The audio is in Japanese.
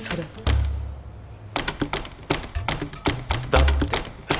だって。